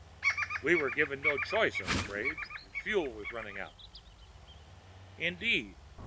"We were given no choice, I'm afraid. The fuel was running out." "Indeed?